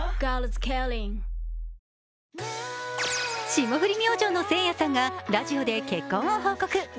霜降り明星のせいやさんがラジオで結婚を報告。